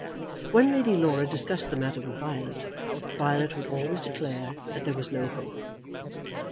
When Lady Laura discussed the matter with Violet, Violet would always declare that there was no hope.